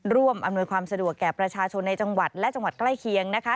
อำนวยความสะดวกแก่ประชาชนในจังหวัดและจังหวัดใกล้เคียงนะคะ